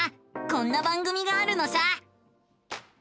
こんな番組があるのさ！